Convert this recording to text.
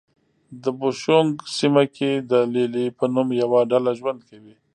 د بوشونګ سیمه کې د لې لې په نوم یوه ډله ژوند کوي.